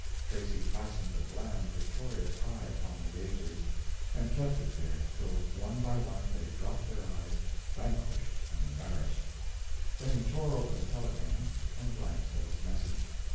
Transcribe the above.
Tracy fastened a bland victorious eye upon the gazers, and kept it there till one by one they dropped their eyes, vanquished and embarrassed. Then he tore open the telegram and glanced at its message.